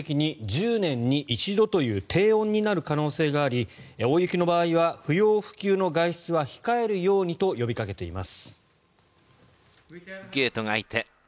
全国的に１０年に一度という低温になる可能性があり大雪の場合は不要不急の外出は控えるようにと呼びかけています。